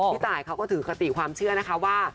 พี่ตายเขาก็ถือคติความเชื่อนะคะว่า